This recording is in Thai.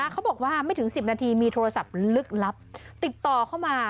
เขาบอกว่าไม่ถึง๑๐นาทีมีโทรศัพท์ลึกลับติดต่อเข้ามา